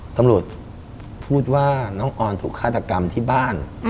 ตำรวจพูดว่าน้องออนถูกฆาตกรรมที่บ้าน